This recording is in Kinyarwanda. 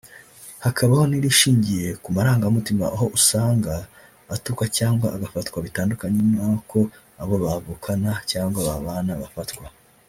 hakabaho n’irishingiye ku marangamutima aho usanga atukwa cyangwa agafatwa bitandukanye n’uko abo bavukana cyangwa babana bafatwa